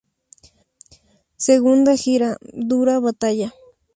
Segunda gira, dura batalla.